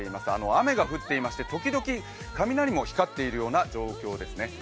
雨が降っていまして時々雷も光っているような状況ですね。